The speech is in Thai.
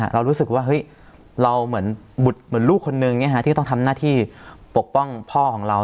เรารู้สึกว่าเฮ้ยเราเหมือนลูกคนนึงที่ต้องทำหน้าที่ปกป้องพ่อของเรา